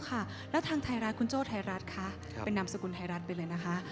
ค่ะแล้วทางไทยรัฐคุณโจ้ไทยรัฐคะเป็นนามสกุลไทยรัฐไปเลยนะคะ